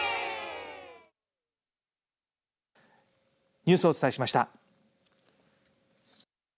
ニュースをお伝えしました。